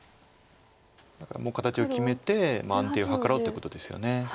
だからもう形を決めて安定を図ろうっていうことですよね。